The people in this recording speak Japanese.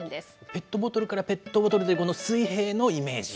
ペットボトルからペットボトルでこの水平のイメージ。